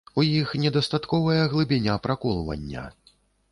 У іх недастатковая глыбіня праколвання.